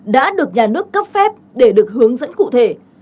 đã được nhà nước cấp phép để được hướng dẫn cụ thể